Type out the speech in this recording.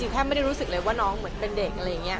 แทบไม่ได้รู้สึกเลยว่าน้องเหมือนเป็นเด็กอะไรอย่างนี้